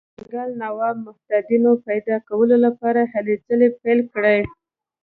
د بنګال نواب متحدینو پیدا کولو لپاره هلې ځلې پیل کړې.